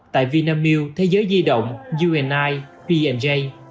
tại vnmu thế giới di động uni pmj